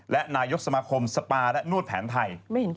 และนายกสมาคมสปาและนวดแผนไทย